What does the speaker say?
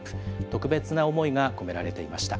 特別な思いが込められていました。